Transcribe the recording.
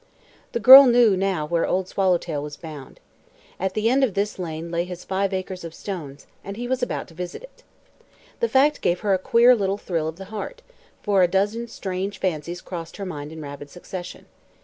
The girl knew now where Old Swallowtail was bound. At the end of this lane lay his five acres of stones, and he was about to visit it. The fact gave her a queer little thrill of the heart, for a dozen strange fancies crossed her mind in rapid succession.